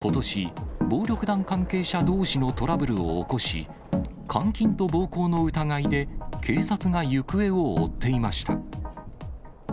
男は暴力団関係者と見られ、ことし、暴力団関係者どうしのトラブルを起こし、監禁と暴行の疑いで、警察が行方を追っていました。